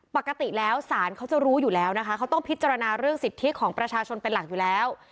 ปกติแล้วศาลเขาจะรู้อยู่แล้วนะคะเขาต้องพิจารณาเรื่องสิทธิของประชาชนเป็นหลักอยู่แล้ว